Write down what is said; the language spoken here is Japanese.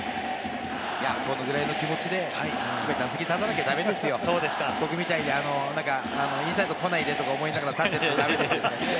このぐらいの気持ちで打席に立たなきゃダメですよ、僕みたいにインサイド来ないでとか思いながらでは駄目です。